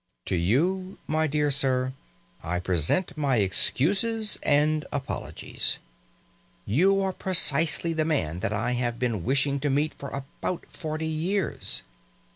To you, my dear sir, I present my excuses and apologies. You are precisely the man that I have been wishing to meet for about forty years.